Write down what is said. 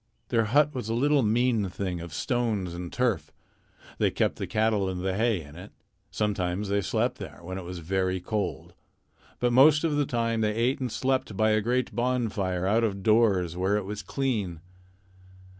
Their hut was a little mean thing of stones and turf. They kept the cattle and the hay in it. Sometimes they slept there, when it was very cold. But most of the time they ate and slept by a great bonfire out of doors where it was clean.